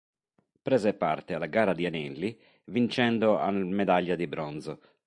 Prese parte alla gara di anelli, vincendo al medaglia di bronzo.